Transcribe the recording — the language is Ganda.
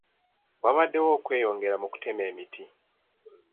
Wabaddewo okweyongera mu kutema emiti.